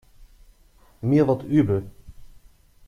Mir wird übel.